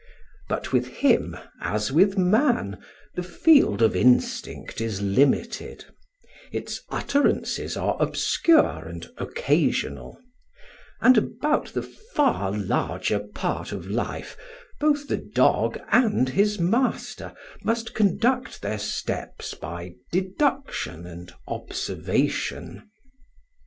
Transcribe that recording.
" But with him, as with man, the field of instinct is limited; its utterances are obscure and occasional; and about the far larger part of life both the dog and his master must conduct their steps by deduction and observation.